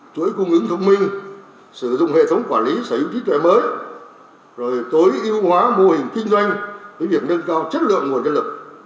chuỗi cung ứng thông minh sử dụng hệ thống quản lý sở hữu trí tuệ mới rồi tối ưu hóa mô hình kinh doanh với việc nâng cao chất lượng nguồn nhân lực